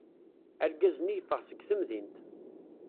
Argaz-nni yeffeɣ seg temdint.